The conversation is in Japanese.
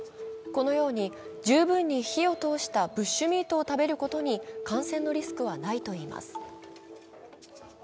このように十分に火を通したブッシュミートを食べることに感染のリスクはないといわれています。